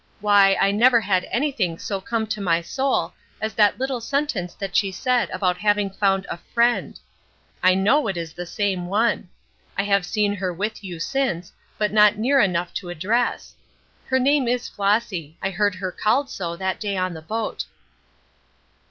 Why, I never had anything so come to my soul as that little sentence that she said about having found a Friend.' I know it is the same one. I have seen her with you since, but not near enough to address. Her name is Flossy; I heard her called so that day on the boat."